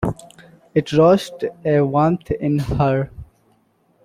It roused a warmth in her.